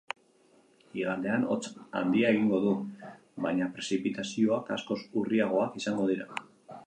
Igandean hotz handia egingo du, baina prezipitazioak askoz urriagoak izango dira.